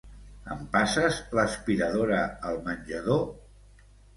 Em passes l'aspiradora al menjador?